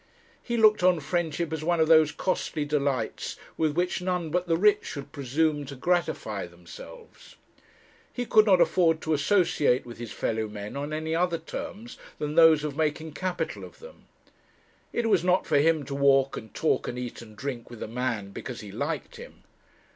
He looked on friendship as one of those costly delights with which none but the rich should presume to gratify themselves. He could not afford to associate with his fellow men on any other terms than those of making capital of them. It was not for him to walk and talk and eat and drink with a man because he liked him.